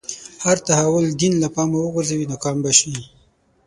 هر تحول دین له پامه وغورځوي ناکام به شي.